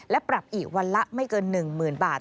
และปรับอีกวันละไม่เกิน๑๐๐๐บาท